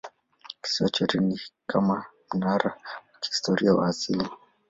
Kisiwa chote ni kama mnara wa kihistoria wa asili.